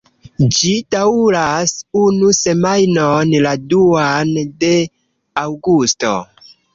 Ĝi daŭras unu semajnon, la duan de aŭgusto.